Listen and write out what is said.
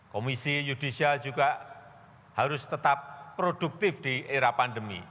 komisi yudisial juga harus tetap produktif di era pandemi